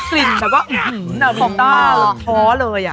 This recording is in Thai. คลิ่นแต่ว่าดาผมตากระป๋อเลย